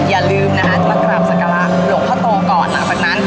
อย่าลืมนะครับมากราบสักการะหลวงพ่อโตก่อนมาฝั่งนั้น